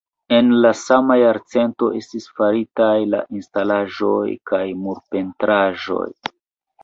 En la sama jarcento estis faritaj la instalaĵoj kaj murpentraĵoj.